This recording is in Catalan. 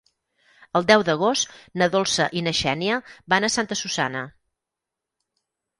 El deu d'agost na Dolça i na Xènia van a Santa Susanna.